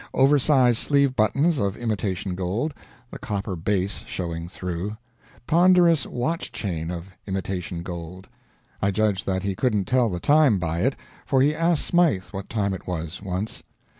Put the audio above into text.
Oversized sleeve buttons of imitation gold, the copper base showing through. Ponderous watch chain of imitation gold. I judge that he couldn't tell the time by it, for he asked Smythe what time it was, once.